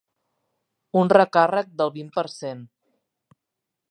Un recàrrec del vint per cent.